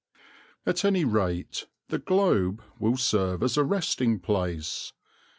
At any rate the "Globe" will serve as a resting place.